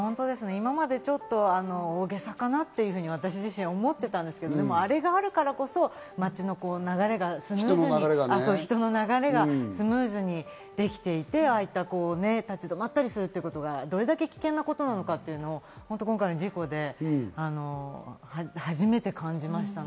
今までちょっと大げさかなって私自身思っていたんですけど、あれがあるからこそ人の流れがスムーズにできていて、立ちどまったりするっていうことがどれだけ危険なことなのかを本当に今回の事故で初めて感じました。